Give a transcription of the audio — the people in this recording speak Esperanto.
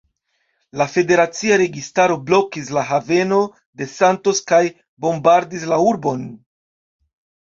La federacia registaro blokis la haveno de Santos kaj bombardis la urbon.